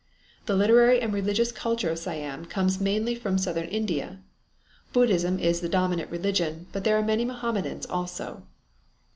The literary and religious culture of Siam comes mainly from southern India. Buddhism is the dominant religion, but there are many Mohammedans also.